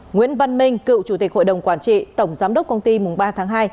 nguyễn văn minh cựu chủ tịch hội đồng quản trị tổng giám đốc công ty mùng ba tháng hai